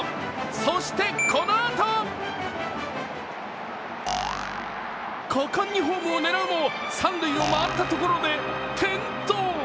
そして、このあと果敢にホームを狙うも三塁を回ったところで転倒。